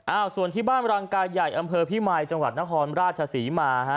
ส่วนที่บ้านรังกายใหญ่อำเภอพิมายจังหวัดนครราชศรีมาฮะ